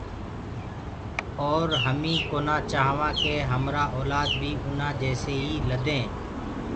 اَور همين ڪونآ چآهوآن ڪي همرو اولآد بيٚ اُنآن جيسيئيٚ لدي۔